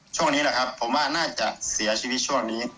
ช่วงนี้แหละครับผมว่าน่าจะเสียชีวิตช่วงนี้